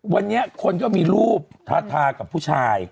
วันนี้คนก็มีรูปทาทากับผู้ชาย